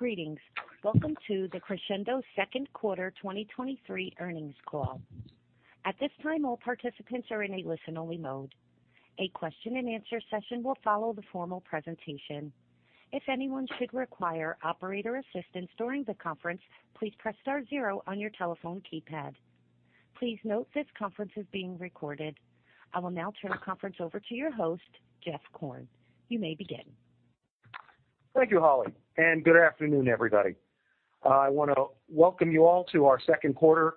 Greetings. Welcome to the Crexendo second quarter 2023 earnings call. At this time, all participants are in a listen-only mode. A question and answer session will follow the formal presentation. If anyone should require operator assistance during the conference, please press star zero on your telephone keypad. Please note this conference is being recorded. I will now turn the conference over to your host, Jeff Korn. You may begin. Thank you, Holly. Good afternoon, everybody. I want to welcome you all to our second quarter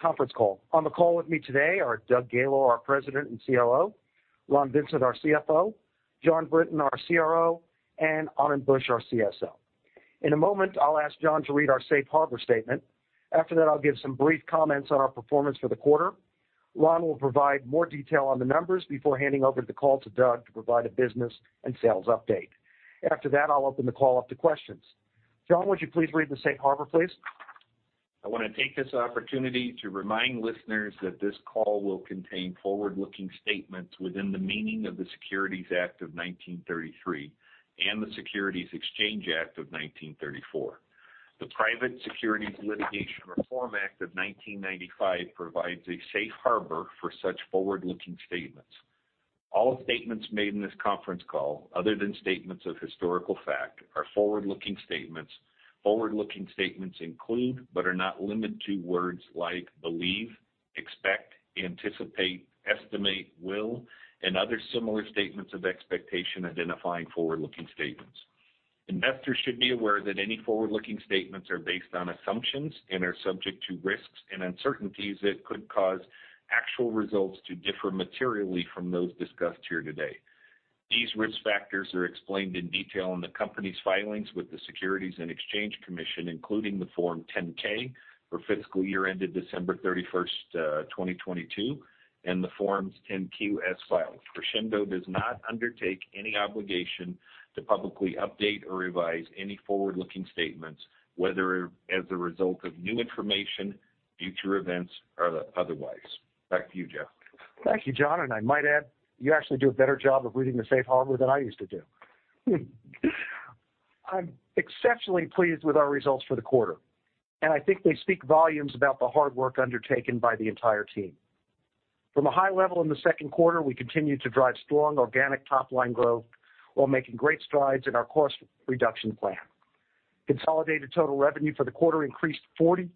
conference call. On the call with me today are Doug Gaylor, our President and COO, Ron Vincent, our CFO, Jon Brinton, our CRO, and Autumn Bush, our CSO. In a moment, I'll ask Jon to read our safe harbor statement. After that, I'll give some brief comments on our performance for the quarter. Ron will provide more detail on the numbers before handing over the call to Doug to provide a business and sales update. After that, I'll open the call up to questions. Jon, would you please read the safe harbor, please? I want to take this opportunity to remind listeners that this call will contain forward-looking statements within the meaning of the Securities Act of 1933 and the Securities Exchange Act of 1934. The Private Securities Litigation Reform Act of 1995 provides a safe harbor for such forward-looking statements. All statements made in this conference call, other than statements of historical fact, are forward-looking statements. Forward-looking statements include, but are not limited to, words like believe, expect, anticipate, estimate, will, and other similar statements of expectation identifying forward-looking statements. Investors should be aware that any forward-looking statements are based on assumptions and are subject to risks and uncertainties that could cause actual results to differ materially from those discussed here today. These risk factors are explained in detail in the company's filings with the Securities and Exchange Commission, including the Form 10-K for fiscal year ended December 31st, 2022, and the Forms 10-Q files. Crexendo does not undertake any obligation to publicly update or revise any forward-looking statements, whether as a result of new information, future events, or otherwise. Back to you, Jeff. Thank you, John. I might add, you actually do a better job of reading the safe harbor than I used to do. I'm exceptionally pleased with our results for the quarter. I think they speak volumes about the hard work undertaken by the entire team. From a high level in the second quarter, we continued to drive strong organic top-line growth while making great strides in our cost reduction plan. Consolidated total revenue for the quarter increased 43%,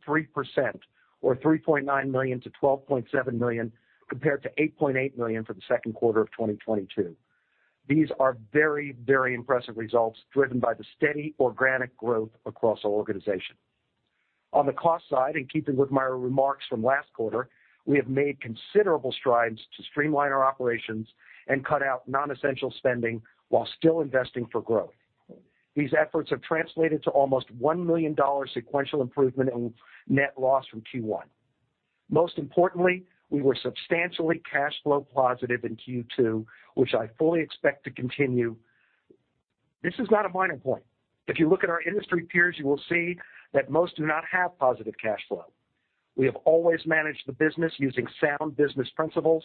or $3.9 million to $12.7 million, compared to $8.8 million for the second quarter of 2022. These are very, very impressive results, driven by the steady organic growth across our organization. On the cost side, in keeping with my remarks from last quarter, we have made considerable strides to streamline our operations and cut out non-essential spending while still investing for growth. These efforts have translated to almost $1 million sequential improvement in net loss from Q1. Most importantly, we were substantially cash flow positive in Q2, which I fully expect to continue. This is not a minor point. If you look at our industry peers, you will see that most do not have positive cash flow. We have always managed the business using sound business principles,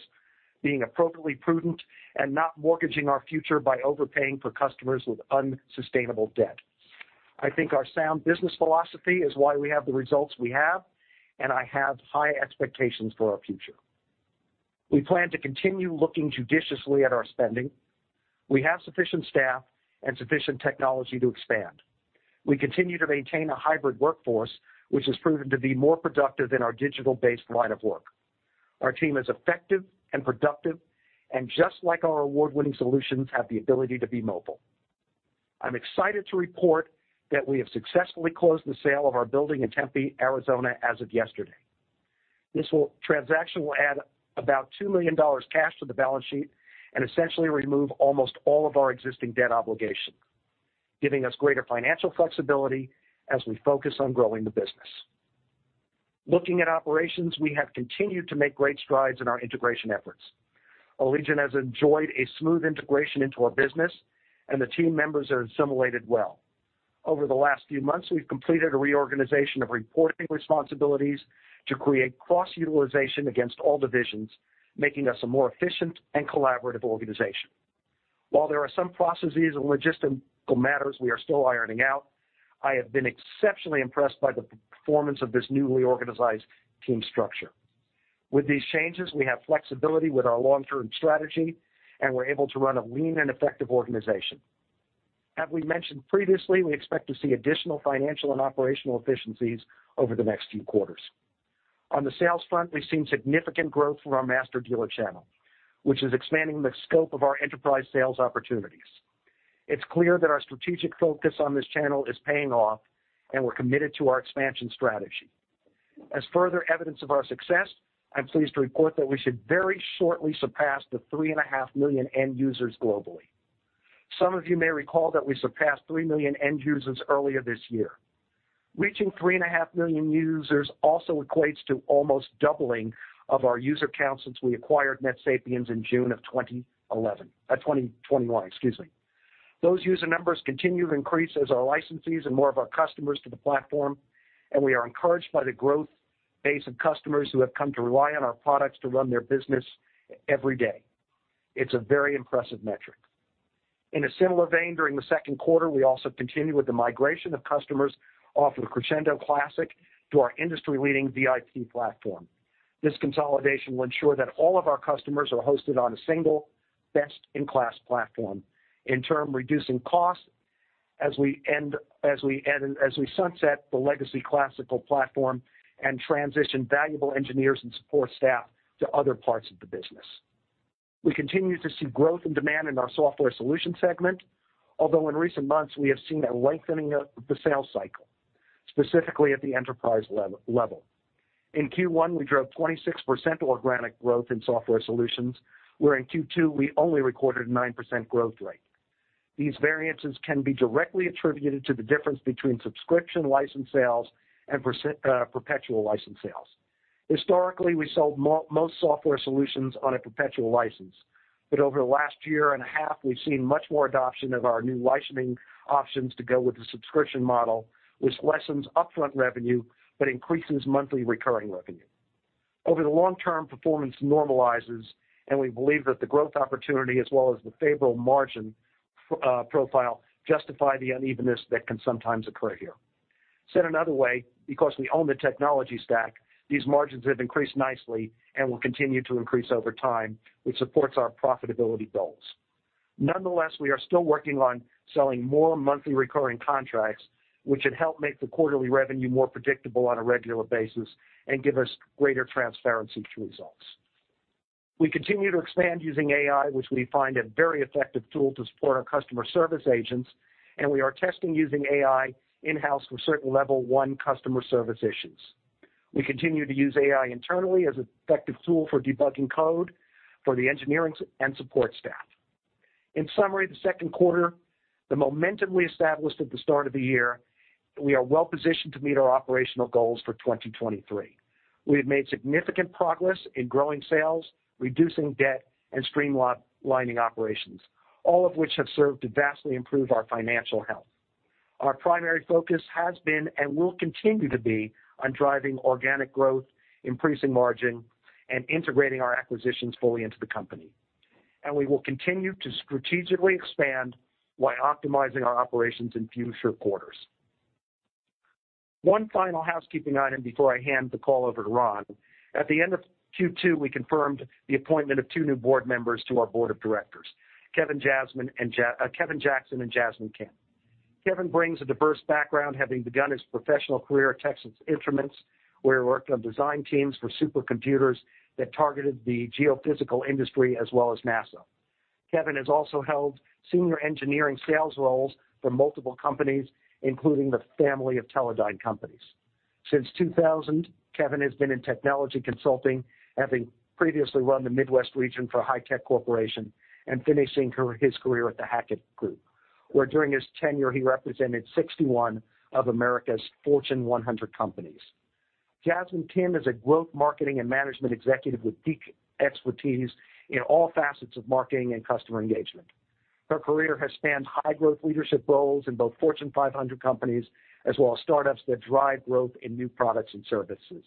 being appropriately prudent, and not mortgaging our future by overpaying for customers with unsustainable debt. I think our sound business philosophy is why we have the results we have, and I have high expectations for our future. We plan to continue looking judiciously at our spending. We have sufficient staff and sufficient technology to expand. We continue to maintain a hybrid workforce, which has proven to be more productive in our digital-based line of work. Our team is effective and productive, and just like our award-winning solutions, have the ability to be mobile. I'm excited to report that we have successfully closed the sale of our building in Tempe, Arizona, as of yesterday. This transaction will add about $2 million cash to the balance sheet and essentially remove almost all of our existing debt obligations, giving us greater financial flexibility as we focus on growing the business. Looking at operations, we have continued to make great strides in our integration efforts. Allegiant has enjoyed a smooth integration into our business, and the team members are assimilated well. Over the last few months, we've completed a reorganization of reporting responsibilities to create cross-utilization against all divisions, making us a more efficient and collaborative organization. While there are some processes and logistical matters we are still ironing out, I have been exceptionally impressed by the performance of this newly organized team structure. With these changes, we have flexibility with our long-term strategy, and we're able to run a lean and effective organization. As we mentioned previously, we expect to see additional financial and operational efficiencies over the next few quarters. On the sales front, we've seen significant growth from our master dealer channel, which is expanding the scope of our enterprise sales opportunities. It's clear that our strategic focus on this channel is paying off, and we're committed to our expansion strategy. As further evidence of our success, I'm pleased to report that we should very shortly surpass the 3.5 million end users globally. Some of you may recall that we surpassed 3 million end users earlier this year. Reaching 3.5 million users also equates to almost doubling of our user count since we acquired NetSapiens in June of 2011, 2021, excuse me. Those user numbers continue to increase as our licensees and more of our customers to the platform, and we are encouraged by the growth base of customers who have come to rely on our products to run their business every day. It's a very impressive metric. In a similar vein, during the second quarter, we also continued with the migration of customers off of Crexendo Classic to our industry-leading VIP Platform. This consolidation will ensure that all of our customers are hosted on a single, best-in-class platform, in turn, reducing costs as we sunset the legacy classic platform and transition valuable engineers and support staff to other parts of the business. We continue to see growth and demand in our software solution segment, although in recent months, we have seen a lengthening of the sales cycle, specifically at the enterprise level. In Q1, we drove 26% organic growth in software solutions, where in Q2, we only recorded a 9% growth rate. These variances can be directly attributed to the difference between subscription license sales and perpetual license sales. Historically, we sold most software solutions on a perpetual license, but over the last year and a half, we've seen much more adoption of our new licensing options to go with the subscription model, which lessens upfront revenue, but increases monthly recurring revenue. Over the long term, performance normalizes, and we believe that the growth opportunity, as well as the favorable margin profile, justify the unevenness that can sometimes occur here. Said another way, because we own the technology stack, these margins have increased nicely and will continue to increase over time, which supports our profitability goals. Nonetheless, we are still working on selling more monthly recurring contracts, which should help make the quarterly revenue more predictable on a regular basis and give us greater transparency to results. We continue to expand using AI, which we find a very effective tool to support our customer service agents, and we are testing using AI in-house for certain level one customer service issues. We continue to use AI internally as an effective tool for debugging code for the engineering and support staff. In summary, the second quarter, the momentum we established at the start of the year, we are well positioned to meet our operational goals for 2023. We have made significant progress in growing sales, reducing debt, and streamlining operations, all of which have served to vastly improve our financial health. Our primary focus has been, and will continue to be, on driving organic growth, increasing margin, and integrating our acquisitions fully into the company. We will continue to strategically expand while optimizing our operations in future quarters. One final housekeeping item before I hand the call over to Ron. At the end of Q2, we confirmed the appointment of two new board members to our board of directors, Kevin Jackson and Jasmine Kim. Kevin brings a diverse background, having begun his professional career at Texas Instruments, where he worked on design teams for supercomputers that targeted the geophysical industry as well as NASA. Kevin has also held senior engineering sales roles for multiple companies, including the family of Teledyne companies. Since 2000, Kevin Jackson has been in technology consulting, having previously run the Midwest region for Hi-Tek Corporation and finishing his career at The Hackett Group, where during his tenure, he represented 61 of America's Fortune 100 companies. Jasmine Kim is a growth marketing and management executive with deep expertise in all facets of marketing and customer engagement. Her career has spanned high-growth leadership roles in both Fortune 500 companies, as well as startups that drive growth in new products and services.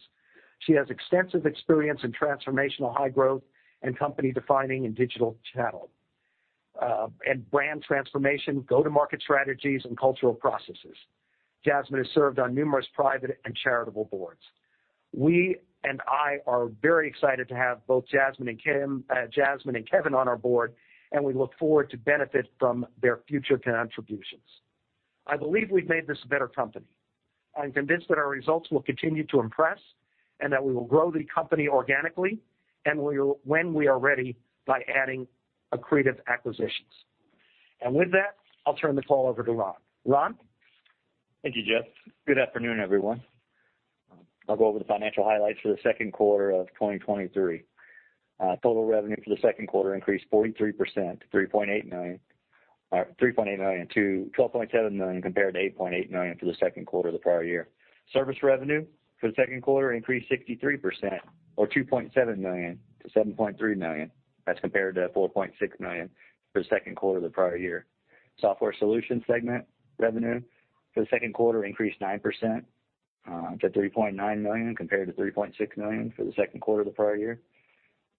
She has extensive experience in transformational high growth and company defining in digital channel, and brand transformation, go-to-market strategies, and cultural processes. Jasmine has served on numerous private and charitable boards. We and I are very excited to have both Jasmine and Kim, Jasmine and Kevin on our board, and we look forward to benefit from their future contributions. I believe we've made this a better company. I'm convinced that our results will continue to impress and that we will grow the company organically when we are ready, by adding accretive acquisitions. With that, I'll turn the call over to Ron. Ron? Thank you, Jeff. Good afternoon, everyone. I'll go over the financial highlights for the second quarter of 2023. total revenue for the second quarter increased 43%, $3.8 million to $12.7 million, compared to $8.8 million for the second quarter of the prior year. Service revenue for the second quarter increased 63% or $2.7 million to $7.3 million. That's compared to $4.6 million for the second quarter of the prior year. Software solutions segment revenue for the second quarter increased 9% to $3.9 million, compared to $3.6 million for the second quarter of the prior year.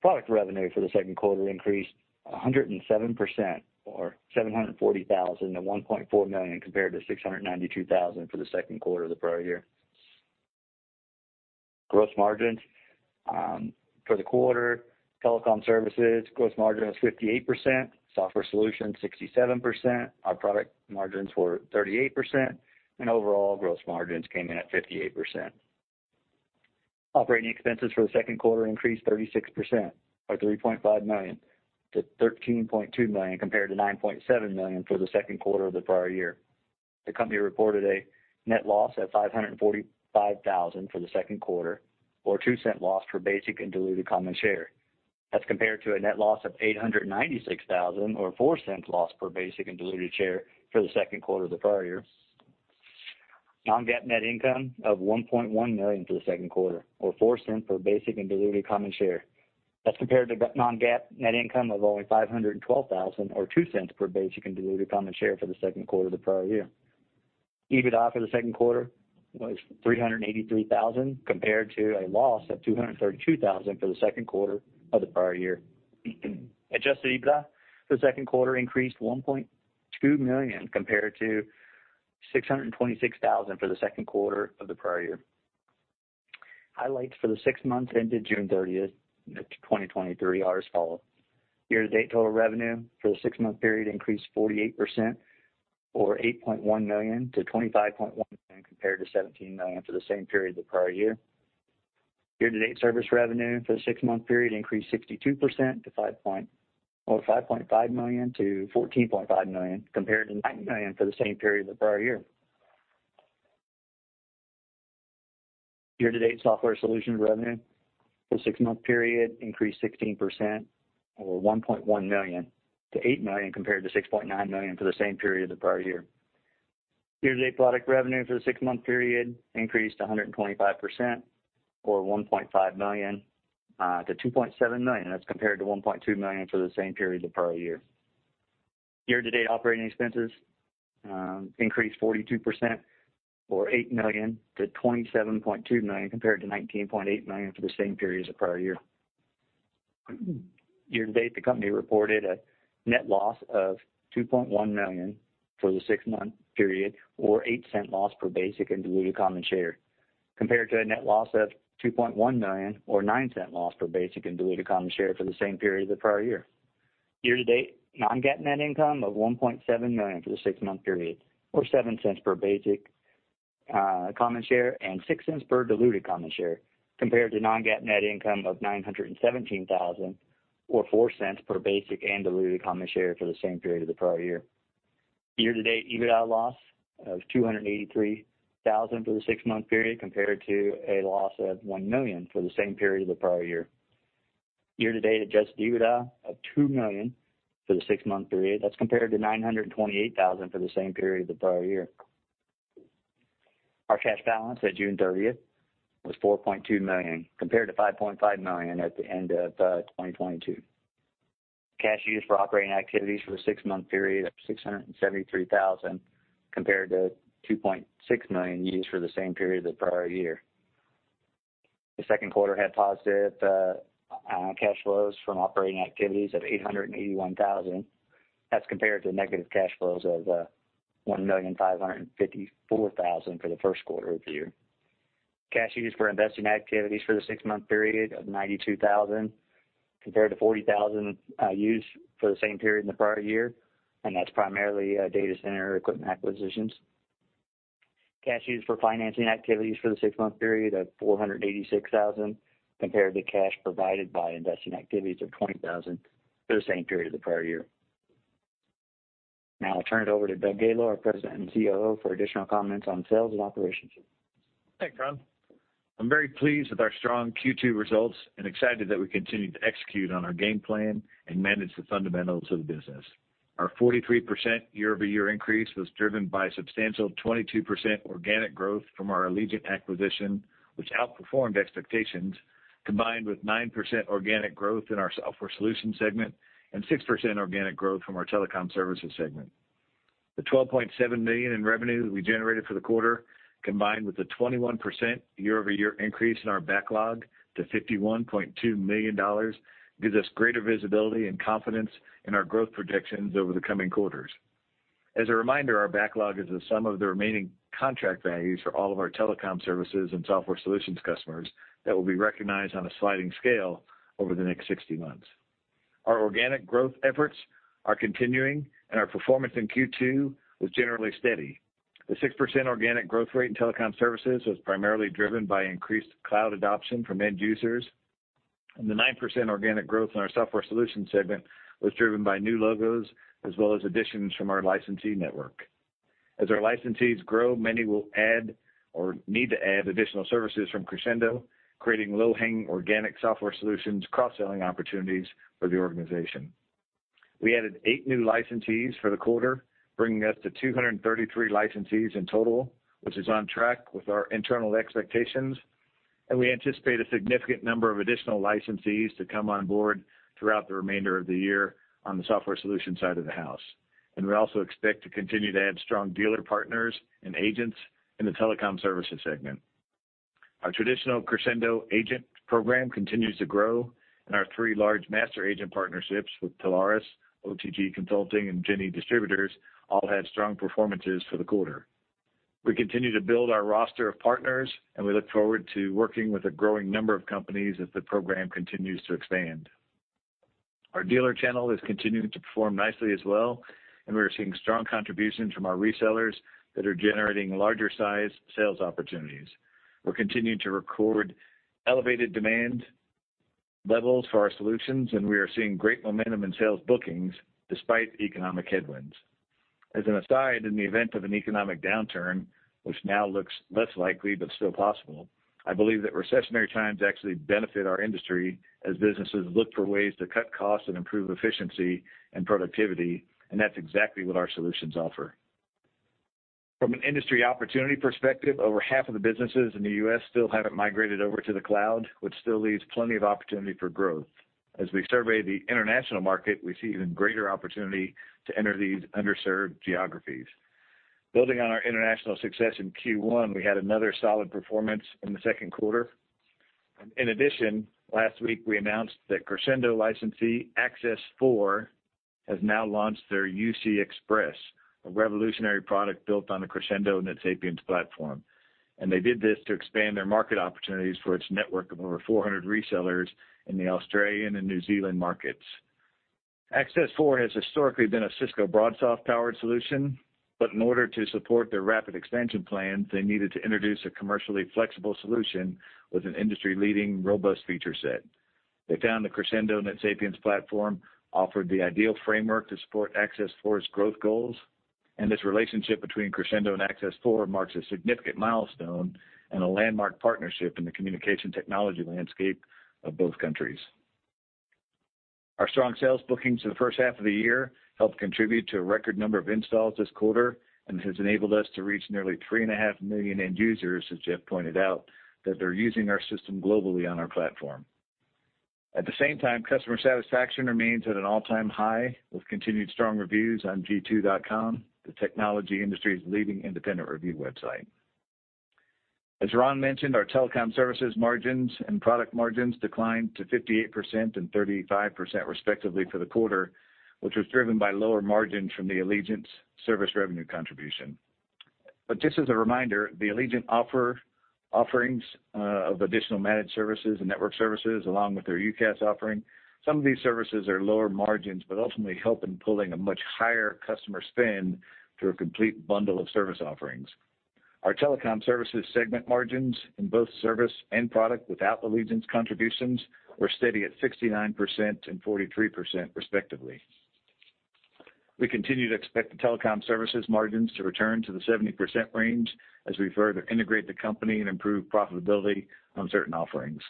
Product revenue for the second quarter increased 107% or $740,000 to $1.4 million, compared to $692,000 for the second quarter of the prior year. Gross margins for the quarter, telecom services, gross margin was 58%, software solutions, 67%, our product margins were 38%, and overall, gross margins came in at 58%. Operating expenses for the second quarter increased 36% or $3.5 million to $13.2 million, compared to $9.7 million for the second quarter of the prior year. The company reported a net loss of $545,000 for the second quarter, or $0.02 loss for basic and diluted common share. That's compared to a net loss of $896,000 or $0.04 loss per basic and diluted share for the second quarter of the prior year. Non-GAAP net income of $1.1 million for the second quarter or $0.04 per basic and diluted common share. That's compared to Non-GAAP net income of only $512,000 or $0.02 per basic and diluted common share for the second quarter of the prior year. EBITDA for the second quarter was $383,000, compared to a loss of $232,000 for the second quarter of the prior year. Adjusted EBITDA for the second quarter increased $1.2 million, compared to $626,000 for the second quarter of the prior year. Highlights for the six months ended June 13th, 2023 are as follow. Year-to-date total revenue for the six-month period increased 48% or $8.1 million to $25.1 million, compared to $17 million for the same period the prior year. Year-to-date service revenue for the six-month period increased 62% to $5.5 million to $14.5 million, compared to $9 million for the same period of the prior year. Year-to-date software solutions revenue for the six-month period increased 16%, or $1.1 million to $8 million, compared to $6.9 million for the same period the prior year. Year-to-date product revenue for the six-month period increased 125% or $1.5 million to $2.7 million. That's compared to $1.2 million for the same period the prior year. Year-to-date operating expenses, increased 42% or $8 million to $27.2 million, compared to $19.8 million for the same period as the prior year. Year-to-date, the company reported a net loss of $2.1 million for the six-month period, or $0.08 loss per basic and diluted common share, compared to a net loss of $2.1 million or $0.09 loss per basic and diluted common share for the same period as the prior year. Year-to-date, non-GAAP net income of $1.7 million for the six-month period, or $0.07 per basic common share, and $0.06 per diluted common share, compared to non-GAAP net income of $917,000, or $0.04 per basic and diluted common share for the same period of the prior year. Year-to-date, EBITDA loss of $283,000 for the six-month period, compared to a loss of $1 million for the same period of the prior year. Year-to-date, adjusted EBITDA of $2 million for the six-month period. That's compared to $928,000 for the same period of the prior year. Our cash balance at June 30th was $4.2 million, compared to $5.5 million at the end of 2022. Cash used for operating activities for the six-month period of $673,000, compared to $2.6 million used for the same period as the prior year. The second quarter had positive cash flows from operating activities of $881,000. That's compared to negative cash flows of $1,554,000 for the first quarter of the year. Cash used for investing activities for the six-month period of $92,000, compared to $40,000 used for the same period in the prior year, and that's primarily data center equipment acquisitions. Cash used for financing activities for the six-month period of $486,000, compared to cash provided by investing activities of $20,000 for the same period of the prior year. Now I'll turn it over to Doug Gaylor, our President and COO, for additional comments on sales and operations. Thanks, Ron. I'm very pleased with our strong Q2 results and excited that we continue to execute on our game plan and manage the fundamentals of the business. Our 43% year-over-year increase was driven by substantial 22% organic growth from our Allegiant acquisition, which outperformed expectations, combined with 9% organic growth in our software solutions segment and 6% organic growth from our telecom services segment. The $12.7 million in revenue that we generated for the quarter, combined with the 21% year-over-year increase in our backlog to $51.2 million, gives us greater visibility and confidence in our growth projections over the coming quarters. As a reminder, our backlog is the sum of the remaining contract values for all of our telecom services and software solutions customers that will be recognized on a sliding scale over the next 60 months. Our organic growth efforts are continuing. Our performance in Q2 was generally steady. The 6% organic growth rate in telecom services was primarily driven by increased cloud adoption from end users. The 9% organic growth in our software solutions segment was driven by new logos, as well as additions from our licensee network. As our licensees grow, many will add or need to add additional services from Crexendo, creating low-hanging organic software solutions, cross-selling opportunities for the organization. We added eight new licensees for the quarter, bringing us to 233 licensees in total, which is on track with our internal expectations. We anticipate a significant number of additional licensees to come on board throughout the remainder of the year on the software solution side of the house. We also expect to continue to add strong dealer partners and agents in the telecom services segment. Our traditional Crexendo agent program continues to grow, and our three large master agent partnerships with Telarus, OTG Consulting, and Jenne Distributors all had strong performances for the quarter. We continue to build our roster of partners, and we look forward to working with a growing number of companies as the program continues to expand. Our dealer channel is continuing to perform nicely as well, and we are seeing strong contributions from our resellers that are generating larger-sized sales opportunities. We're continuing to record elevated demand levels for our solutions, and we are seeing great momentum in sales bookings despite economic headwinds. As an aside, in the event of an economic downturn, which now looks less likely but still possible, I believe that recessionary times actually benefit our industry as businesses look for ways to cut costs and improve efficiency and productivity, and that's exactly what our solutions offer. From an industry opportunity perspective, over half of the businesses in the U.S. still haven't migrated over to the cloud, which still leaves plenty of opportunity for growth. As we survey the international market, we see even greater opportunity to enter these underserved geographies. Building on our international success in Q1, we had another solid performance in the second quarter. In addition, last week, we announced that Crexendo licensee, Access4, has now launched their UC Xpress, a revolutionary product built on the Crexendo NetSapiens platform. They did this to expand their market opportunities for its network of over 400 resellers in the Australian and New Zealand markets. Access4 has historically been a Cisco BroadSoft-powered solution, but in order to support their rapid expansion plans, they needed to introduce a commercially flexible solution with an industry-leading, robust feature set. They found the Crexendo NetSapiens platform offered the ideal framework to support Access4's growth goals, and this relationship between Crexendo and Access4 marks a significant milestone and a landmark partnership in the communication technology landscape of both countries. Our strong sales bookings in the first half of the year helped contribute to a record number of installs this quarter and has enabled us to reach nearly 3.5 million end users, as Jeff pointed out, that they're using our system globally on our platform. At the same time, customer satisfaction remains at an all-time high, with continued strong reviews on G2.com, the technology industry's leading independent review website. As Ron mentioned, our telecom services margins and product margins declined to 58% and 35%, respectively, for the quarter, which was driven by lower margins from the Allegiant service revenue contribution. Just as a reminder, the Allegiant offerings of additional managed services and network services, along with their UCaaS offering, some of these services are lower margins, but ultimately help in pulling a much higher customer spend through a complete bundle of service offerings. Our telecom services segment margins in both service and product, without Allegiant's contributions, were steady at 69% and 43%, respectively. We continue to expect the telecom services margins to return to the 70% range as we further integrate the company and improve profitability on certain offerings.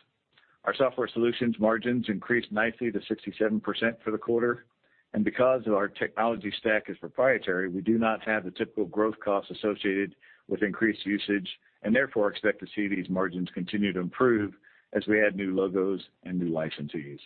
Our software solutions margins increased nicely to 67% for the quarter, and because of our technology stack is proprietary, we do not have the typical growth costs associated with increased usage, and therefore, expect to see these margins continue to improve as we add new logos and new licensees.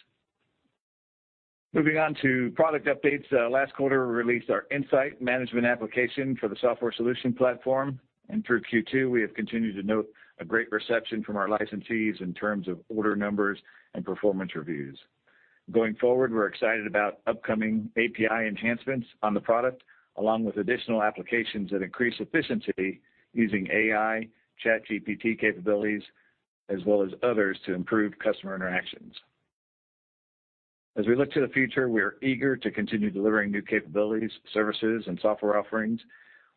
Moving on to product updates. Last quarter, we released our insight management application for the software solution platform, and through Q2, we have continued to note a great reception from our licensees in terms of order numbers and performance reviews. Going forward, we're excited about upcoming API enhancements on the product, along with additional applications that increase efficiency using AI, ChatGPT capabilities, as well as others to improve customer interactions. As we look to the future, we are eager to continue delivering new capabilities, services, and software offerings.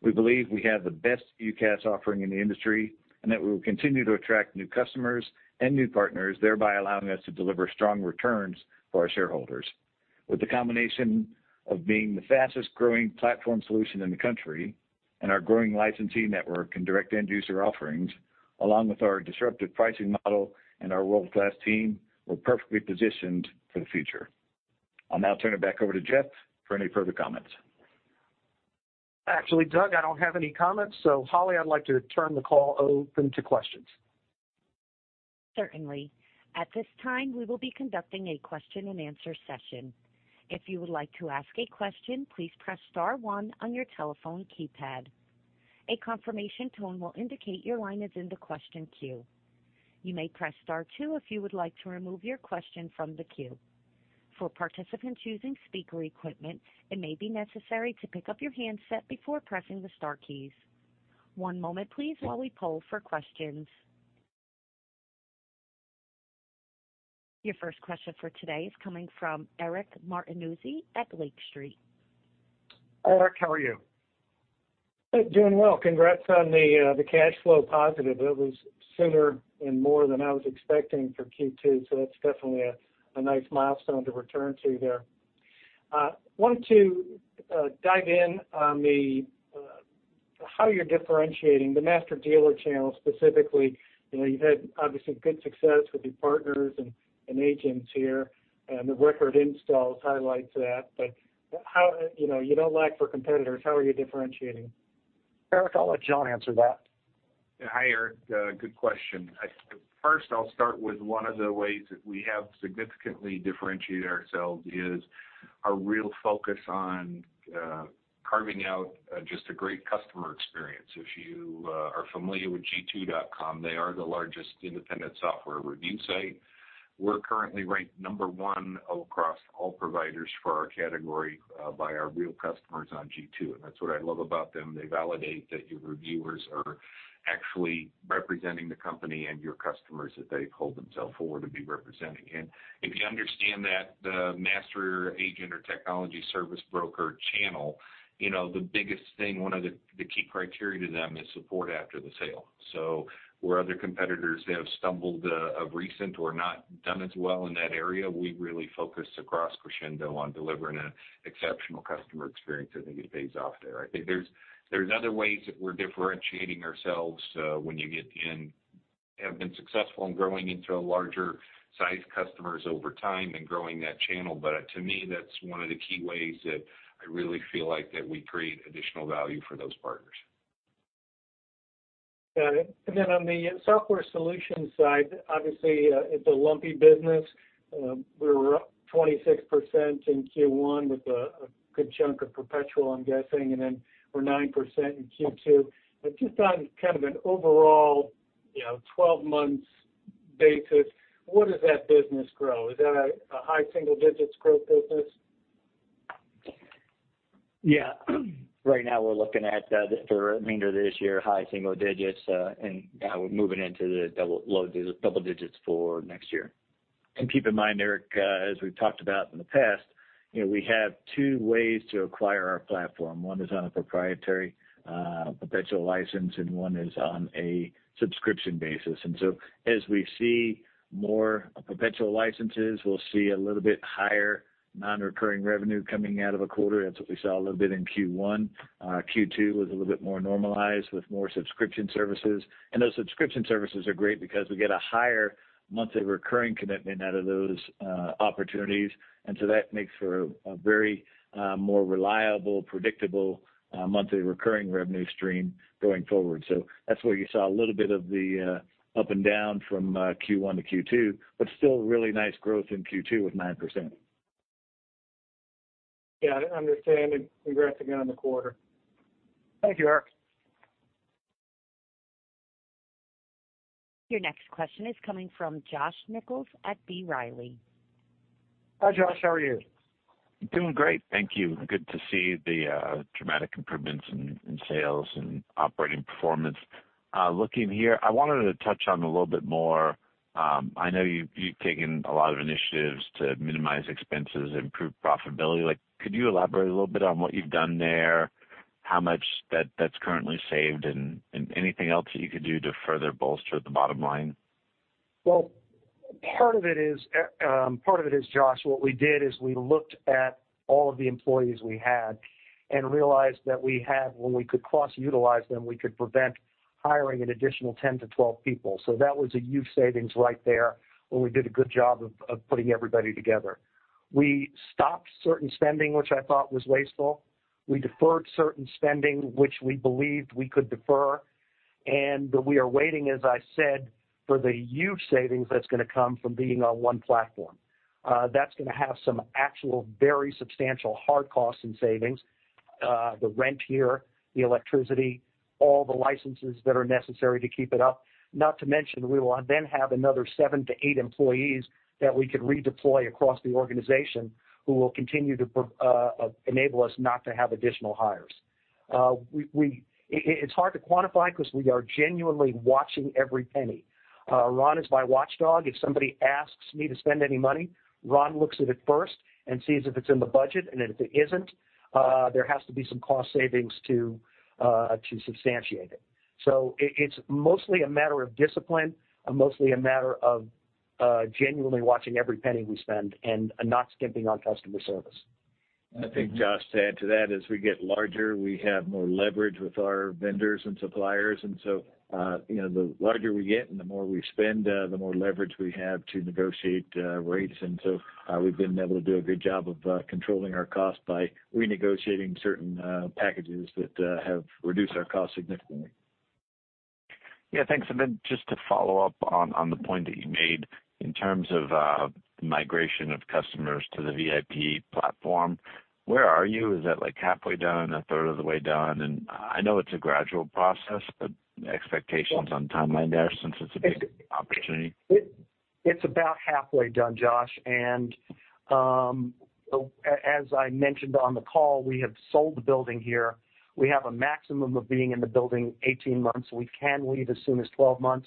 We believe we have the best UCaaS offering in the industry, and that we will continue to attract new customers and new partners, thereby allowing us to deliver strong returns for our shareholders. With the combination of being the fastest-growing platform solution in the country and our growing licensee network and direct end-user offerings, along with our disruptive pricing model and our world-class team, we're perfectly positioned for the future. I'll now turn it back over to Jeff for any further comments. Actually, Doug, I don't have any comments. Holly, I'd like to turn the call open to questions. Certainly. At this time, we will be conducting a question-and-answer session. If you would like to ask a question, please press star one on your telephone keypad. A confirmation tone will indicate your line is in the question queue. You may press star two if you would like to remove your question from the queue. For participants using speaker equipment, it may be necessary to pick up your handset before pressing the star keys. One moment, please, while we poll for questions. Your first question for today is coming from Eric Martinuzzi at Lake Street. Eric, how are you? Doing well. Congrats on the cash flow positive. It was sooner and more than I was expecting for Q2, so that's definitely a nice milestone to return to there. wanted to dive in on how you're differentiating the master dealer channel, specifically. You know, you've had, obviously, good success with your partners and agents here, and the record installs highlights that. But how... You know, you don't lack for competitors, how are you differentiating? Eric, I'll let Jon answer that. Hi, Eric, good question. First, I'll start with one of the ways that we have significantly differentiated ourselves is our real focus on carving out just a great customer experience. If you are familiar with G2.com, they are the largest independent software review site. We're currently ranked number one across all providers for our category by our real customers on G2, and that's what I love about them. They validate that your reviewers are actually representing the company and your customers that they hold themselves forward to be representing. If you understand that the master agent or technology service broker channel, you know, the biggest thing, one of the key criteria to them, is support after the sale. Where other competitors have stumbled, of recent or not done as well in that area, we've really focused across Crexendo on delivering an exceptional customer experience. I think it pays off there. I think there's, there's other ways that we're differentiating ourselves, when you have been successful in growing into a larger size customers over time and growing that channel. To me, that's one of the key ways that I really feel like that we create additional value for those partners. Got it. On the software solution side, obviously, it's a lumpy business. We were up 26% in Q1 with a, a good chunk of perpetual, I'm guessing, and then we're 9% in Q2. Just on kind of an overall, you know, 12 months basis, what does that business grow? Is that a, a high single digits growth business? Yeah. Right now, we're looking at just for the remainder of this year, high single digits, and we're moving into the double, low double digits for next year. Keep in mind, Eric, as we've talked about in the past, you know, we have two ways to acquire our platform. One is on a proprietary, perpetual license, and one is on a subscription basis. As we see more perpetual licenses, we'll see a little bit higher non-recurring revenue coming out of a quarter. That's what we saw a little bit in Q1. Q2 was a little bit more normalized, with more subscription services. Those subscription services are great because we get a higher monthly recurring commitment out of those opportunities. So that makes for a very more reliable, predictable, monthly recurring revenue stream going forward. That's why you saw a little bit of the up and down from Q1 to Q2, but still really nice growth in Q2 with 9%. Yeah, I understand, and congrats again on the quarter. Thank you, Eric. Your next question is coming from Josh Nichols at B. Riley. Hi, Josh, how are you? I'm doing great. Thank you. Good to see the dramatic improvements in, in sales and operating performance. Looking here, I wanted to touch on a little bit more, I know you've, you've taken a lot of initiatives to minimize expenses, improve profitability. Like, could you elaborate a little bit on what you've done there, how much that's currently saved, and, and anything else that you could do to further bolster the bottom line? Part of it is, part of it is, Josh, what we did is we looked at all of the employees we had and realized that we had... When we could cross-utilize them, we could prevent hiring an additional 10-12 people. That was a huge savings right there, where we did a good job of putting everybody together. We stopped certain spending, which I thought was wasteful. We deferred certain spending, which we believed we could defer, and we are waiting, as I said, for the huge savings that's gonna come from being on one platform. That's gonna have some actual, very substantial hard costs and savings, the rent here, the electricity, all the licenses that are necessary to keep it up. Not to mention, we will then have another seven to eight employees that we can redeploy across the organization, who will continue to pro- enable us not to have additional hires. We, it's hard to quantify because we are genuinely watching every penny. Ron is my watchdog. If somebody asks me to spend any money, Ron looks at it first and sees if it's in the budget, and then if it isn't, there has to be some cost savings to substantiate it. It's mostly a matter of discipline and mostly a matter of genuinely watching every penny we spend and not skimping on customer service. I think, Josh, to add to that, as we get larger, we have more leverage with our vendors and suppliers, so, you know, the larger we get and the more we spend, the more leverage we have to negotiate rates. So, we've been able to do a good job of controlling our costs by renegotiating certain packages that have reduced our costs significantly. Yeah, thanks. Then just to follow up on, on the point that you made in terms of migration of customers to the VIP platform, where are you? Is that, like, halfway done, a third of the way done? I know it's a gradual process, but expectations on timeline there, since it's a big opportunity. It, it's about halfway done, Josh. As I mentioned on the call, we have sold the building here. We have a maximum of being in the building 18 months. We can leave as soon as 12 months.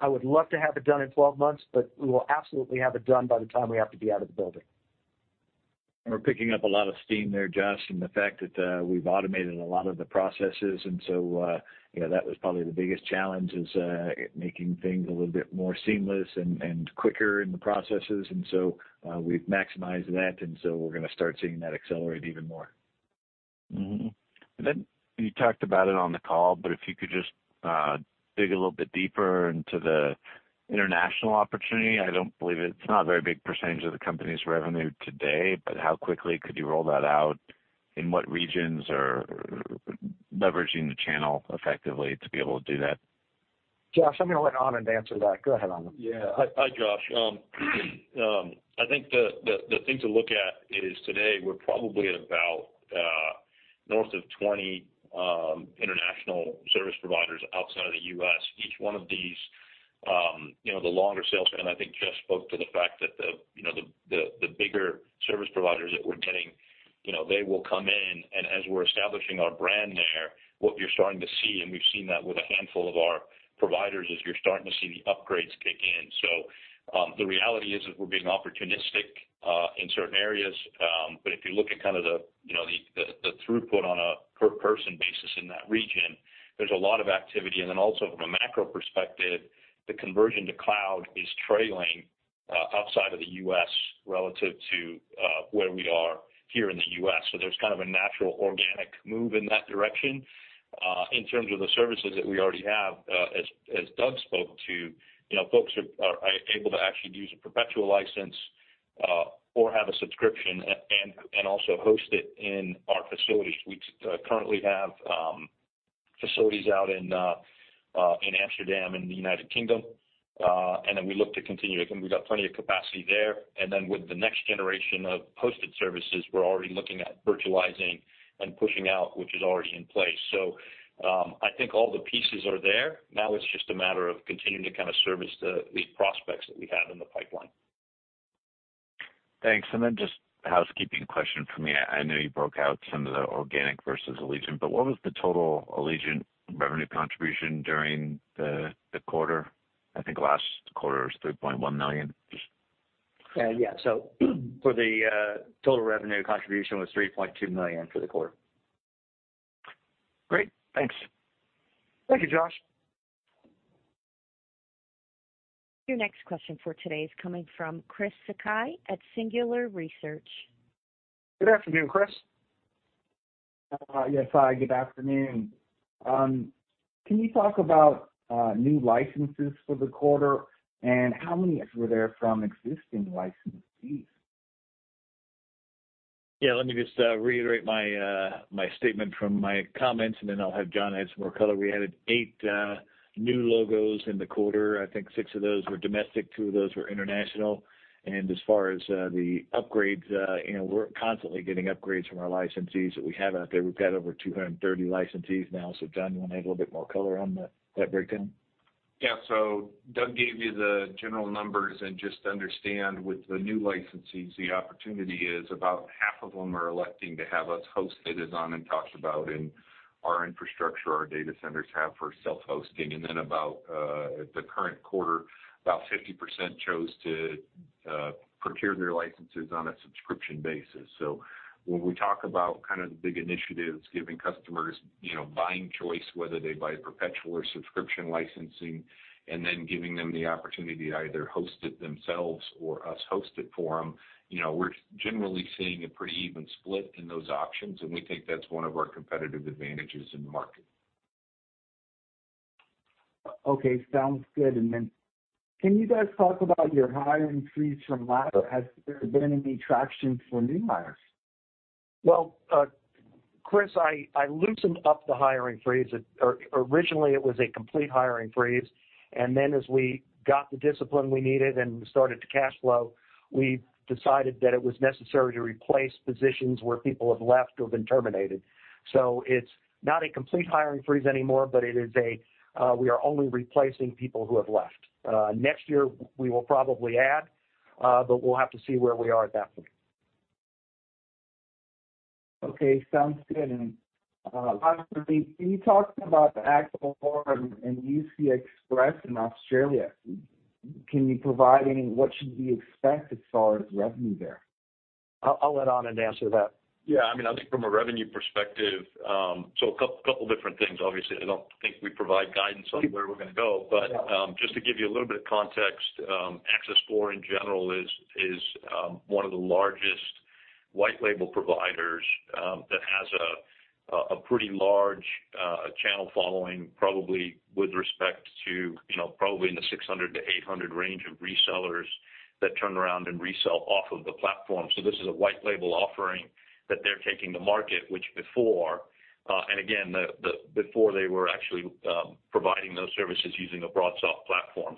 I would love to have it done in 12 months, but we will absolutely have it done by the time we have to be out of the building. We're picking up a lot of steam there, Josh, and the fact that we've automated a lot of the processes. You know, that was probably the biggest challenge, is, making things a little bit more seamless and quicker in the processes. We've maximized that. We're gonna start seeing that accelerate even more. Mm-hmm. Then you talked about it on the call, but if you could just dig a little bit deeper into the international opportunity. I don't believe it's not a very big percent of the company's revenue today, but how quickly could you roll that out, in what regions, or leveraging the channel effectively to be able to do that? Josh, I'm gonna let Ron in to answer that. Go ahead, Ron. Yeah. Hi, Josh. I think the thing to look at is today we're probably at about north of 20 international service providers outside of the U.S. Each one of these, you know, the longer sales, and I think Josh spoke to the fact that the, you know, the bigger service providers that we're getting, you know, they will come in, and as we're establishing our brand there, what you're starting to see, and we've seen that with a handful of our providers, is you're starting to see the upgrades kick in. The reality is that we're being opportunistic in certain areas, but if you look at kind of the, you know, the throughput on a per person basis in that region, there's a lot of activity. Also from a macro perspective, the conversion to cloud is trailing outside of the U.S. relative to where we are here in the U.S. There's kind of a natural organic move in that direction. In terms of the services that we already have, as Doug spoke to, you know, folks are able to actually use a perpetual license or have a subscription and also host it in our facilities. We currently have facilities out in Amsterdam, in the United Kingdom, we look to continue. Again, we've got plenty of capacity there, with the next generation of hosted services, we're already looking at virtualizing and pushing out, which is already in place. I think all the pieces are there. Now it's just a matter of continuing to kind of service the prospects that we have in the pipeline. Thanks. Just housekeeping question for me. I know you broke out some of the organic versus Allegiant, but what was the total Allegiant revenue contribution during the quarter? I think last quarter was $3.1 million. Yeah. For the total revenue contribution was $3.2 million for the quarter. Great. Thanks. Thank you, Josh. Your next question for today is coming from Chris Sakai at Singular Research. Good afternoon, Chris. Yes, hi, good afternoon. Can you talk about new licenses for the quarter and how many were there from existing licensees? Yeah, let me just reiterate my statement from my comments, and then I'll have Jon add some more color. We added eight new logos in the quarter. I think 6 of those were domestic, two of those were international. As far as the upgrades, you know, we're constantly getting upgrades from our licensees that we have out there. We've got over 230 licensees now. Jon, you wanna add a little bit more color on that, that breakdown? Yeah. Doug gave you the general numbers, and just understand, with the new licensees, the opportunity is about half of them are electing to have us host it, as talked about in our infrastructure, our data centers have for self-hosting. Then about the current quarter, about 50% chose to procure their licenses on a subscription basis. When we talk about kind of the big initiatives, giving customers, you know, buying choice, whether they buy perpetual or subscription licensing, and then giving them the opportunity to either host it themselves or us host it for them, you know, we're generally seeing a pretty even split in those options, and we think that's one of our competitive advantages in the market. Okay, sounds good. Then can you guys talk about your hiring freeze from last year? Has there been any traction for new hires? Well, Chris, I, I loosened up the hiring freeze. Originally, it was a complete hiring freeze, and then as we got the discipline we needed and started to cash flow, we decided that it was necessary to replace positions where people have left or been terminated. It's not a complete hiring freeze anymore, but it is a, we are only replacing people who have left. Next year, we will probably add, but we'll have to see where we are at that point. Okay, sounds good. Lastly, can you talk about the Access4 and UC Xpress in Australia? Can you provide any, what should we expect as far as revenue there? I'll let Ron and answer that. Yeah, I mean, I think from a revenue perspective. A couple different things. Obviously, I don't think we provide guidance on where we're gonna go. Yeah. Just to give you a little bit of context, Access4, in general, is, is, one of the largest white label providers that has a pretty large channel following, probably with respect to, you know, probably in the 600-800 range of resellers that turn around and resell off of the platform. This is a white label offering that they're taking to market, which before, and again, the, the, before they were actually providing those services using a BroadSoft platform.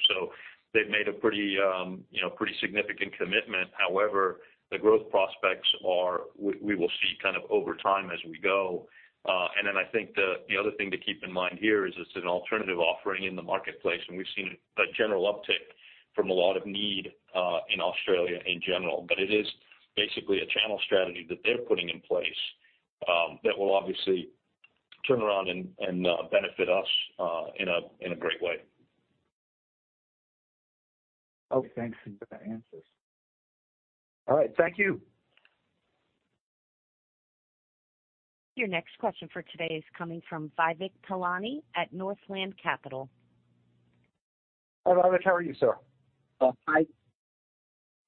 They've made a pretty, you know, pretty significant commitment. However, the growth prospects are, we, we will see kind of over time as we go. Then I think the, the other thing to keep in mind here is it's an alternative offering in the marketplace, and we've seen a general uptick from a lot of need, in Australia in general. It is basically a channel strategy that they're putting in place, that will obviously turn around and, and, benefit us, in a, in a great way. Okay, thanks for the answers. All right. Thank you. Your next question for today is coming from Vivek Palani at Northland Capital. Hi, Vivek. How are you, sir? Hi.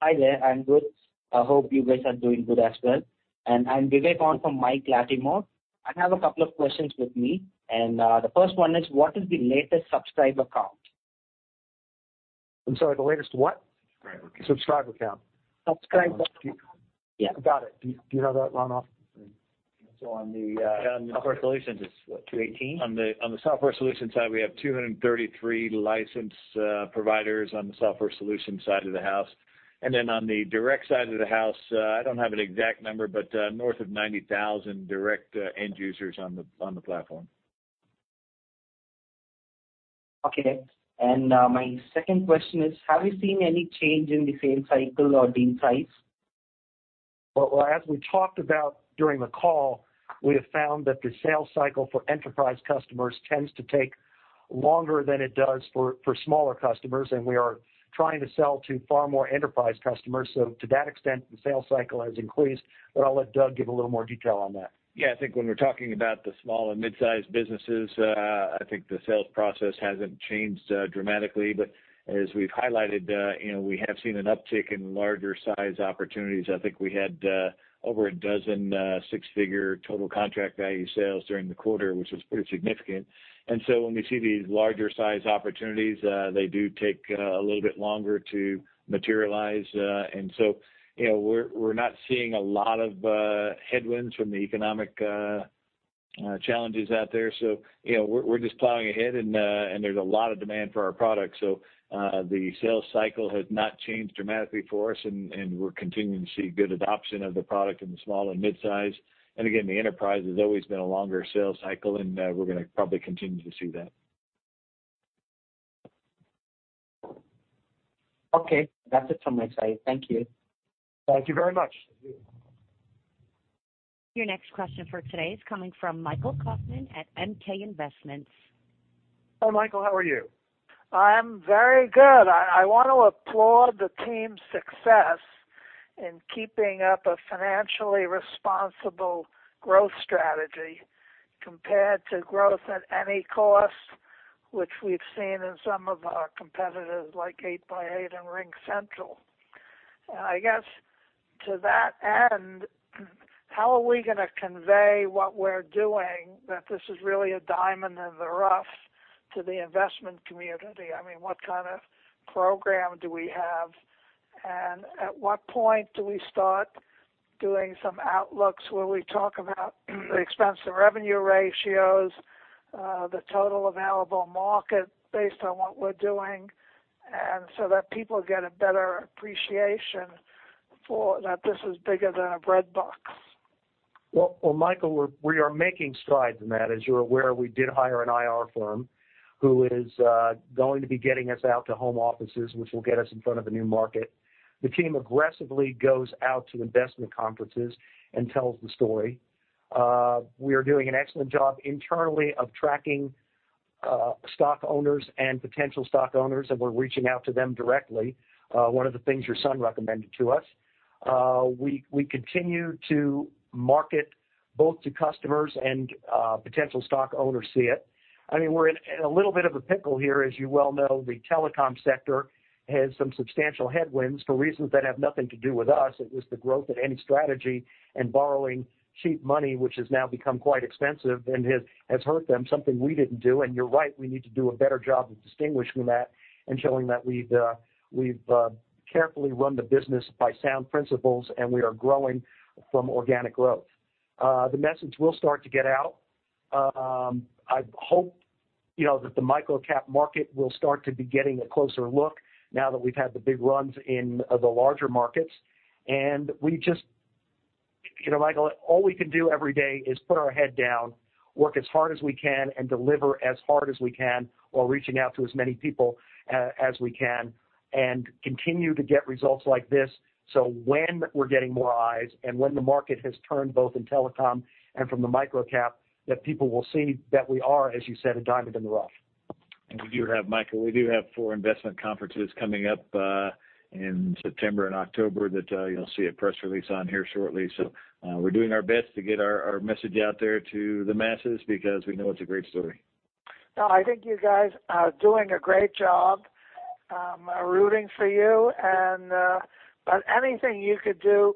Hi there, I'm good. I hope you guys are doing good as well. I'm Vivek on from Michael Latimore. I have a couple of questions with me, and the first one is: What is the latest subscriber count? I'm sorry, the latest what? Subscriber count. Subscriber count. Subscriber, yeah. Got it. Do you, do you have that, Ron off? on the On software solutions, it's what? $2.18. On the, on the software solutions side, we have 233 licensed providers on the software solutions side of the house. Then on the direct side of the house, I don't have an exact number, but north of 90,000 direct end users on the, on the platform. Okay. My second question is: Have you seen any change in the sales cycle or deal price? Well, as we talked about during the call, we have found that the sales cycle for enterprise customers tends to take longer than it does for, for smaller customers, and we are trying to sell to far more enterprise customers. To that extent, the sales cycle has increased, but I'll let Doug give a little more detail on that. Yeah, I think when we're talking about the small and mid-sized businesses, I think the sales process hasn't changed dramatically. As we've highlighted, you know, we have seen an uptick in larger-sized opportunities. I think we had over a dozen six-figure total contract value sales during the quarter, which is pretty significant. When we see these larger-sized opportunities, they do take a little bit longer to materialize. You know, we're, we're not seeing a lot of headwinds from the economic.... challenges out there. You know, we're, we're just plowing ahead, and there's a lot of demand for our products. The sales cycle has not changed dramatically for us, and we're continuing to see good adoption of the product in the small and mid-size. Again, the enterprise has always been a longer sales cycle, and we're gonna probably continue to see that. Okay, that's it from my side. Thank you. Thank you very much. Your next question for today is coming from Michael Kaufman at MK Investments. Hello, Michael, how are you? I'm very good. I, I want to applaud the team's success in keeping up a financially responsible growth strategy compared to growth at any cost, which we've seen in some of our competitors, like 8x8 and RingCentral. I guess, to that end, how are we gonna convey what we're doing, that this is really a diamond in the rough to the investment community? I mean, what kind of program do we have, and at what point do we start doing some outlooks where we talk about the expense to revenue ratios, the total available market based on what we're doing, and so that people get a better appreciation for that this is bigger than a breadbox? Well, well, Michael, we are making strides in that. As you're aware, we did hire an IR firm who is going to be getting us out to home offices, which will get us in front of a new market. The team aggressively goes out to investment conferences and tells the story. We are doing an excellent job internally of tracking stock owners and potential stock owners, and we're reaching out to them directly, one of the things your son recommended to us. We, we continue to market both to customers and potential stock owners see it. I mean, we're in a little bit of a pickle here. As you well know, the telecom sector has some substantial headwinds for reasons that have nothing to do with us. It was the growth of any strategy and borrowing cheap money, which has now become quite expensive and has, has hurt them, something we didn't do. You're right, we need to do a better job of distinguishing that and showing that we've, we've carefully run the business by sound principles, and we are growing from organic growth. The message will start to get out. I hope, you know, that the microcap market will start to be getting a closer look now that we've had the big runs in the larger markets, and we just. You know, Michael, all we can do every day is put our head down, work as hard as we can, and deliver as hard as we can while reaching out to as many people as we can, and continue to get results like this. When we're getting more eyes and when the market has turned, both in telecom and from the microcap, that people will see that we are, as you said, a diamond in the rough. We do have, Michael, we do have four investment conferences coming up in September and October that you'll see a press release on here shortly. We're doing our best to get our message out there to the masses because we know it's a great story. No, I think you guys are doing a great job. I'm rooting for you, and anything you could do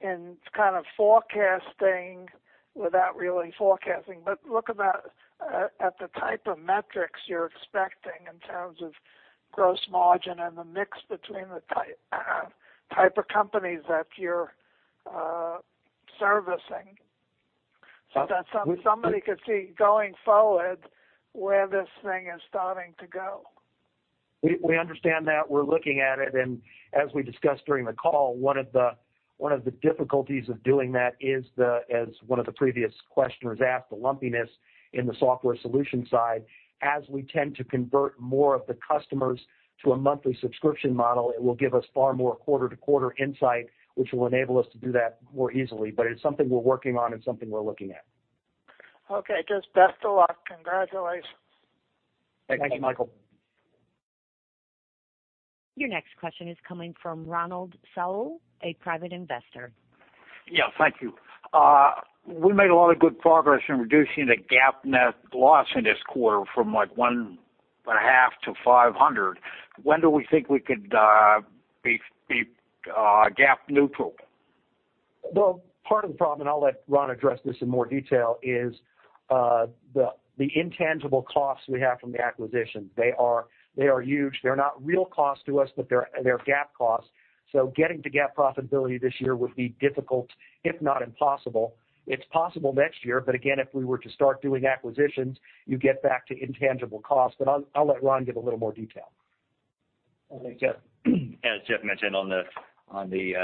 in kind of forecasting without really forecasting, but look about at the type of metrics you're expecting in terms of gross margin and the mix between the type of companies that you're servicing, so that somebody could see going forward where this thing is starting to go. We, we understand that. We're looking at it, and as we discussed during the call, one of the, one of the difficulties of doing that is the, as one of the previous questioners asked, the lumpiness in the software solution side. As we tend to convert more of the customers to a monthly subscription model, it will give us far more quarter-to-quarter insight, which will enable us to do that more easily. It's something we're working on and something we're looking at. Okay, just best of luck. Congratulations. Thank you, Michael. Your next question is coming from Ronald Saul, a private investor. Yeah, thank you. We made a lot of good progress in reducing the GAAP net loss in this quarter from, like, $1.5 million to $500,000. When do we think we could, be, be, GAAP neutral? Well, part of the problem, and I'll let Ron address this in more detail, is the intangible costs we have from the acquisition. They are huge. They're not real costs to us, but they're GAAP costs. Getting to GAAP profitability this year would be difficult, if not impossible. It's possible next year, but again, if we were to start doing acquisitions, you get back to intangible costs. I'll let Ron give a little more detail. Okay, Jeff. As Jeff mentioned, on the, on the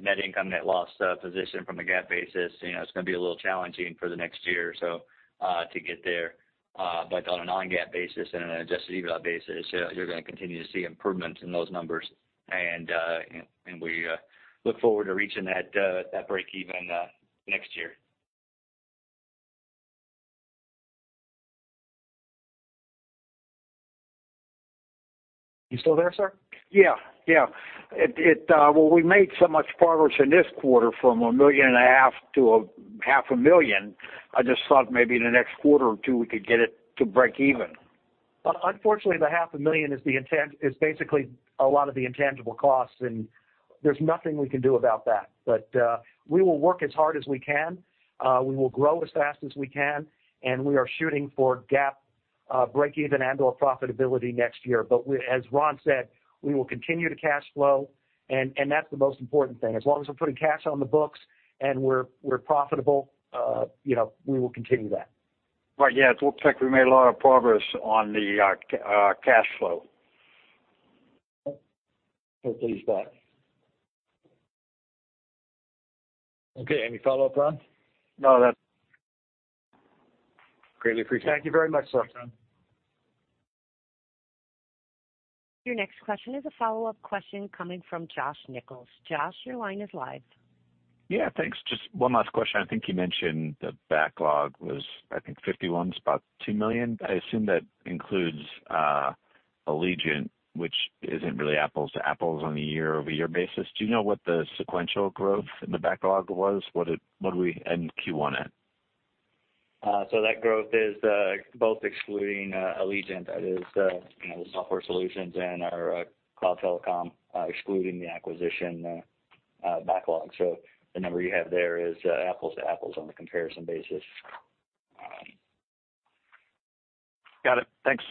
net income, net loss position from a GAAP basis, you know, it's gonna be a little challenging for the next year or so to get there. But on a non-GAAP basis and an adjusted EBITDA basis, you're gonna continue to see improvement in those numbers. And we look forward to reaching that break even next year. You still there, sir? Yeah, yeah. It, it. Well, we made so much progress in this quarter from $1.5 million to $500,000. I just thought maybe in the next quarter or two, we could get it to break even. Well, unfortunately, the $500,000 is basically a lot of the intangible costs, and there's nothing we can do about that. We will work as hard as we can, we will grow as fast as we can, and we are shooting for GAAP breakeven and or profitability next year. We, as Ron said, we will continue to cash flow, and that's the most important thing. As long as we're putting cash on the books and we're, we're profitable, you know, we will continue that. Right, yeah, it looks like we made a lot of progress on the cash flow. We're pleased with that. Okay. Any follow-up, Ron? No, that's greatly appreciate it. Thank you very much, sir. Your next question is a follow-up question coming from Josh Nichols. Josh, your line is live. Yeah, thanks. Just one last question. I think you mentioned the backlog was, I think, $51 million, about $2 million. I assume that includes Allegiant Networks, which isn't really apples to apples on a year-over-year basis. Do you know what the sequential growth in the backlog was? What did we end Q1 at? That growth is both excluding Allegiant Networks. That is, you know, the software solutions and our cloud telecom, excluding the acquisition backlog. The number you have there is apples to apples on a comparison basis. Got it. Thanks.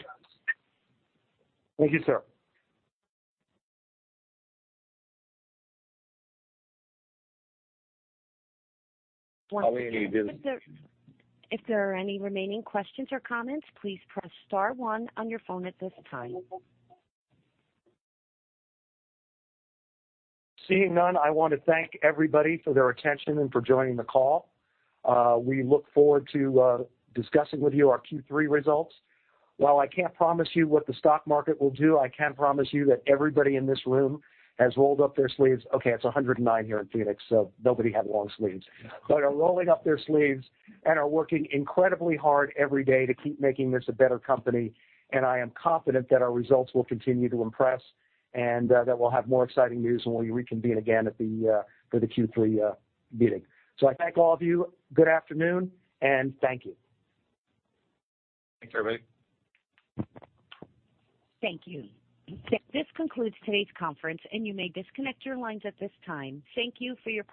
Thank you, sir. If there, if there are any remaining questions or comments, please press star one on your phone at this time. Seeing none, I want to thank everybody for their attention and for joining the call. We look forward to discussing with you our Q3 results. While I can't promise you what the stock market will do, I can promise you that everybody in this room has rolled up their sleeves. Okay, it's 109 here in Phoenix, so nobody had long sleeves. Are rolling up their sleeves and are working incredibly hard every day to keep making this a better company, and I am confident that our results will continue to impress, and that we'll have more exciting news when we reconvene again at the for the Q3 meeting. I thank all of you. Good afternoon, and thank you. Thanks, everybody. Thank you. This concludes today's conference, and you may disconnect your lines at this time. Thank you for your participation.